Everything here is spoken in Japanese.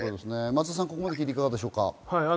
松田さん、ここまで聞いていかがですか？